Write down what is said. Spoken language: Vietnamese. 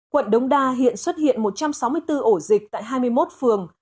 quận đống đa hiện xuất hiện một trăm sáu mươi bốn ổ dịch tại hai mươi một phường